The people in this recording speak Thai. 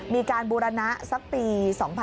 มีการบูรณะสักปี๒๕๖๒